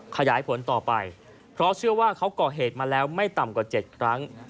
ขยายผลต่อไปเพราะเชื่อว่าเขาก่อเหตุมาแล้วไม่ต่ำกว่า๗ครั้ง